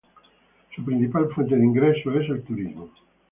Su principal fuente de ingresos es el turismo.